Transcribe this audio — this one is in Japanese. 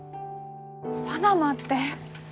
パナマってええ？